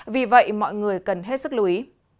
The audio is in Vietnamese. vì vậy mọi người cần hết sức lưu ý